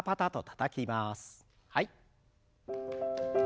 はい。